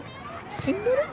死んでる？